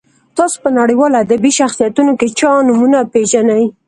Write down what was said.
تاسو په نړیوالو ادبي شخصیتونو کې چا نومونه پیژنئ.